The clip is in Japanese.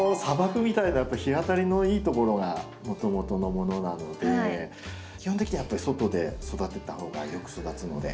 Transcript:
砂漠みたいな日当たりのいいところがもともとのものなので基本的にはやっぱり外で育てた方がよく育つので。